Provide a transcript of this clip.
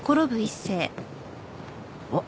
あっ。